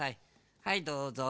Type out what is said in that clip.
はいどうぞ。